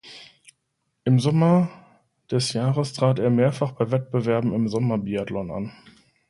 Im Sommer des Jahres trat er mehrfach bei Wettbewerben im Sommerbiathlon an.